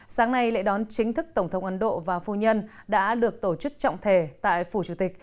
sáng nay lễ đón chính thức tổng thống ấn độ và phu nhân đã được tổ chức trọng thể tại phủ chủ tịch